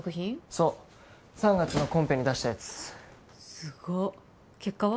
そう３月のコンペに出したやつすご結果は？